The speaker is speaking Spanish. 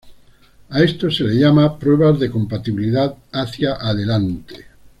A esto se le llama pruebas de compatibilidad hacia adelante.